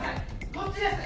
こっちです！